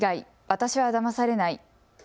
私はだまされない。